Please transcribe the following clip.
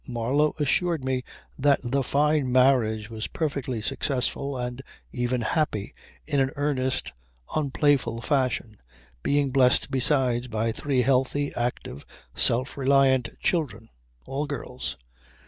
Marlow assured me that the Fyne marriage was perfectly successful and even happy, in an earnest, unplayful fashion, being blessed besides by three healthy, active, self reliant children, all girls.